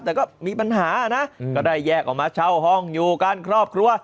แต่ก็มีปัญหานะก็ได้แยกออกมาเช่าห้องอยู่กันครอบครัว